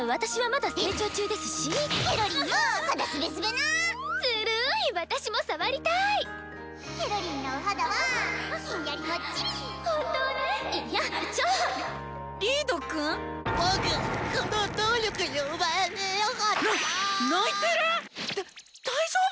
だ大丈夫？